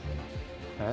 え？